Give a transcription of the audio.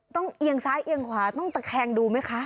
ต้องเอียงซ้ายเอียงขวาต้องแข็งดูไหมคะ